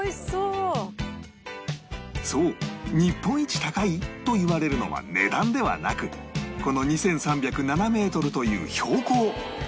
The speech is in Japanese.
そう日本一高い！？と言われるのは値段ではなくこの２３０７メートルという標高